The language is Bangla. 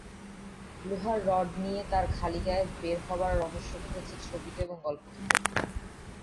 লোহার রড নিয়ে তার খালিগায়ে বের হবার রহস্যটি হচ্ছে ছবিতে এবং গল্পটিতে।